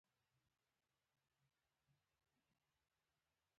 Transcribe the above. ملګري ملتونه د دویمې جګړې نه وروسته جوړ شول.